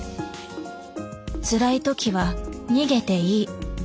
つらい時は逃げていい。